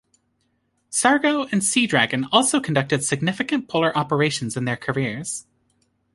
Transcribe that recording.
"Sargo" and "Seadragon" also conducted significant polar operations in their careers.